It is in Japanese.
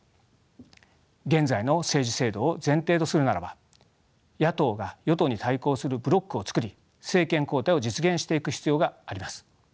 現在の政治制度を前提とするならば野党が与党に対抗するブロックを作り政権交代を実現していく必要があります。